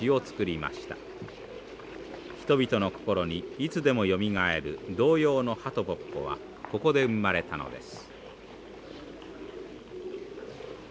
人々の心にいつでもよみがえる童謡の「鳩ぽっぽ」はここで生まれたのです。